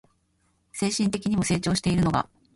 精神的にも成長しているのが